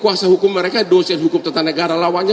kuasa hukum mereka dosen hukum tata negara lawannya